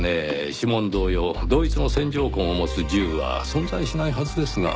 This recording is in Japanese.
指紋同様同一の線条痕を持つ銃は存在しないはずですが。